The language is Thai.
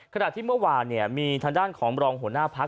ขนาดที่เมื่อวานเนี่ยมีทางด้านของบรองหัวหน้าพรรค